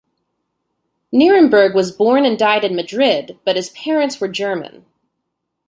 Nieremberg was born and died in Madrid, but his parents were German.